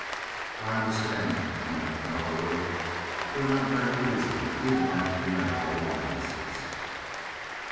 "I understand," commented Cowperwood. "They're not very pleasing, even after you make all allowances."